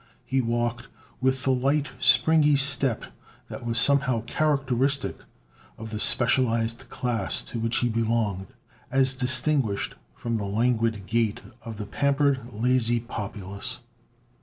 He walked with the light, springy step that was somehow characteristic of the specialized class to which he belonged, as distinguished from the languid gait of the pampered, lazy populace.